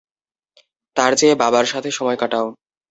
তার চেয়ে বাবার সাথে সময় কাটাও।